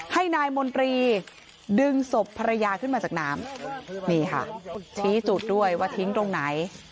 ให้นายมนตรีดึงศพภรรยาขึ้นมาจากน้ำนี่ค่ะชี้จุดด้วยว่าทิ้งตรงไหน